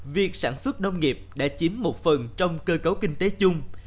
việc sản xuất nông nghiệp đã chiếm một phần trong cơ cấu kinh tế chung